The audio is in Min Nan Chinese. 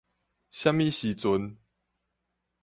啥物時陣